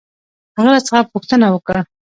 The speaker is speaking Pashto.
هغه راڅخه پوښتنه وکړ.